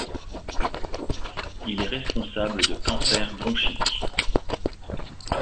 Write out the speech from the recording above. Il est responsable de cancers bronchiques.